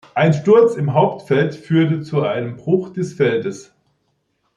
Ein Sturz im Hauptfeld führte zu einem Bruch des Feldes.